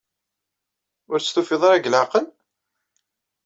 Ur tt-tufiḍ ara deg leɛqel?